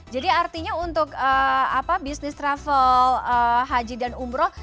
jadi artinya untuk bisnis travel haji dan umroh